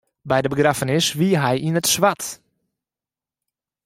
By de begraffenis wie er yn it swart.